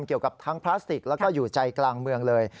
เกี่ยวกับทั้งพลาสติกแล้วก็อยู่ใจกลางเมืองเลย